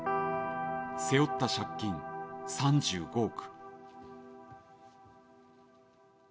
背負った借金、３５億。